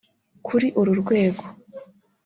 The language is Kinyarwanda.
Kuri uru rwego